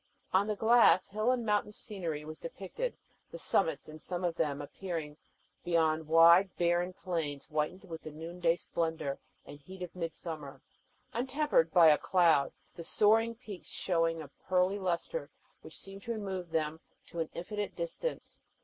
On the glass, hill and mountain scenery was depicted, the summits in some of them appearing beyond wide, barren plains, whitened with the noonday splendor and heat of midsummer, untempered by a cloud, the soaring peaks showing a pearly luster which seemed to remove them to an infinite distance.